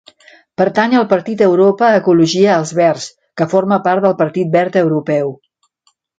Pertany al partit Europa Ecologia-Els Verds, que forma part del Partit Verd Europeu.